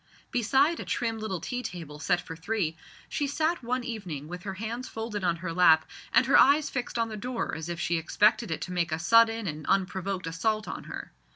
Beside a trim little tea table set for three, she sat one evening with her hands folded on her lap, and her eyes fixed on the door as if she expected it to make a sudden and unprovoked assault on her.